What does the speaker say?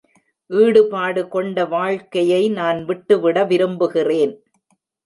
ஈடுபாடு கொண்ட வாழ்க்கையை நான் விட்டுவிட விரும்புகிறேன்.